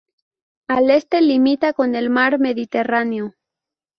Al este limita con el mar Mediterráneo.